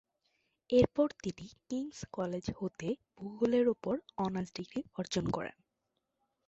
এরপর তিনি King's College হতে ভূগোলের ওপর অনার্স ডিগ্রি অর্জন করেন।